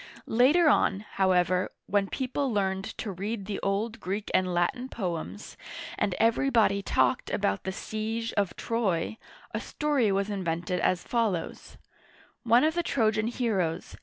Later on, however, when people learned to read the old Greek and Latin poems, and everybody talked about the siege of Troy, a story was invented as follows: One of the Trojan heroes.